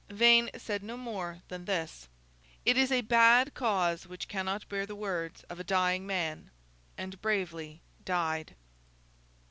Vane said no more than this: 'It is a bad cause which cannot bear the words of a dying man:' and bravely died.